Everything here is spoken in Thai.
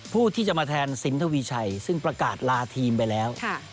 ผู้ที่จะมาแทนสินทวีชัยซึ่งประกาศลาทีมไปแล้ว